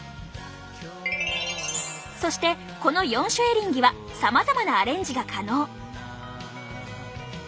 そしてこの４種エリンギはさまざまなアレンジが可能！